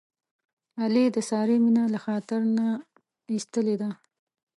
علي د سارې مینه له خاطر نه ایستلې ده.